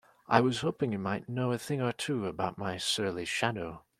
I was hoping you might know a thing or two about my surly shadow?